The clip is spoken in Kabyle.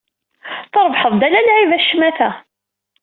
Trebḥed-d ala lɛib, a ccmata.